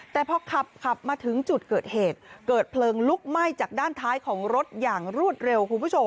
แต่พอขับขับมาถึงจุดเกิดเหตุเกิดเพลิงลุกไหม้จากด้านท้ายของรถอย่างรวดเร็วคุณผู้ชม